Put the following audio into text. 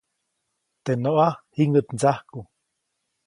Teʼ noʼa jiŋäʼt ndsajku.